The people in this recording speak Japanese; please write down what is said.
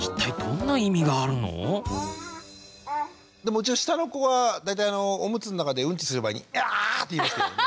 うちの下の子は大体おむつの中でうんちする前に「アァッ！」っていいますけれどもね。